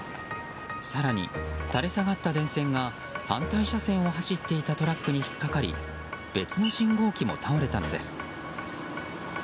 更に、垂れ下がった電線が反対車線を走っていたトラックに引っ掛かり別の信号機も倒れたのです。